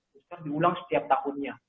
booster diulang setiap tahunnya